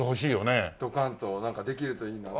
ドカンとなんかできるといいなと。